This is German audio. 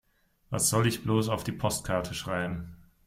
Was soll ich bloß auf die Postkarte schreiben?